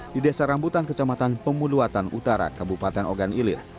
di desa rambutan kecamatan pemuluatan utara kabupaten ogan ilir